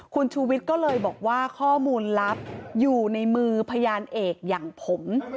คุณชูวิทย์ก็เลยบอกว่าข้อมูลลับอยู่ในมือพยานเอกอย่างผม